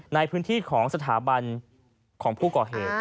ในพื้นที่ของสถาบันของผู้ก่อเหตุ